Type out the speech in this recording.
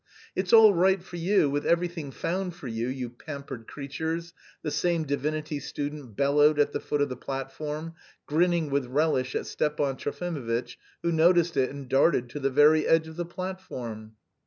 "It's all right for you, with everything found for you, you pampered creatures!" the same divinity student bellowed at the foot of the platform, grinning with relish at Stepan Trofimovitch, who noticed it and darted to the very edge of the platform.